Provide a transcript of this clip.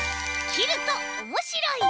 「きるとおもしろい」！